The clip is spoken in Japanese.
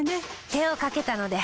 手をかけたので。